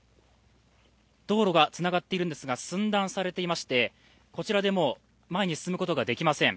道路がつながっているんですが、寸断されていましてこちらで前に進むことができません。